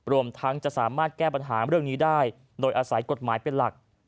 รวมทั้งจะสามารถแก้ปัญหาเรื่องนี้ได้โดยอาศัยกฎหมายเป็นหลัก